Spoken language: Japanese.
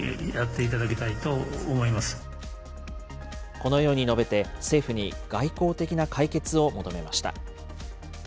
このように述べて、政府に外交的な解決を求めました。